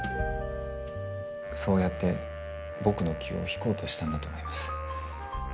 そうやって僕の気を引こうとしたんだと思います。